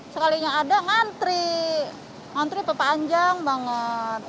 sekalinya ada ngantri ngantri pepanjang banget